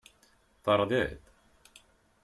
Terba-d.